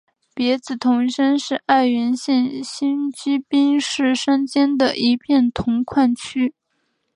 别子铜山是爱媛县新居滨市山间的一片铜矿区。